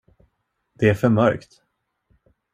Det är för mörkt.